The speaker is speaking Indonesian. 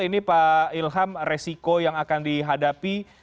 ini pak ilham resiko yang akan dihadapi